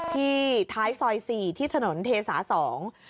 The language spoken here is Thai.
ที่ท้ายซอยสี่ที่ถนนเทสาสอง